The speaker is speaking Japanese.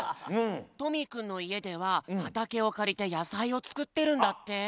トミーくんのいえでははたけをかりてやさいをつくってるんだって。